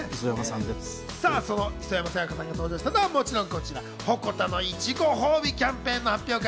その磯山さやかさんが登場したのは、もちろん、ほこたのいちご褒美キャンペーンの発表会。